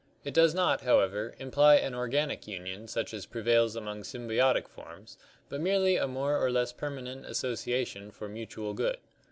It does not, how ever, imply an organic union such as prevails among symbiotic forms, but merely a more or less permanent association for mutual good.